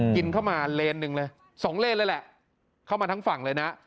กินเข้ามาเลนหนึ่งเลยสองเลนเลยแหละเข้ามาทั้งฝั่งเลยนะ